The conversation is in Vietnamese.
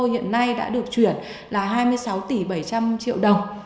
là hai mươi sáu tỷ bảy trăm linh triệu đồng